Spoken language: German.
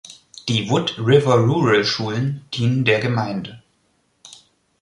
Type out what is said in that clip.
Die Wood River Rural Schulen dienen der Gemeinde.